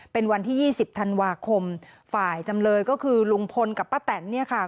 เป็นวันที่ยี่สิบธันวาคมฝ่ายจำเลยก็คือลุงพลกับป้าแตนเนี่ยค่ะ